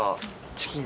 チキン？